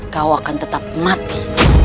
kau akan tetap mati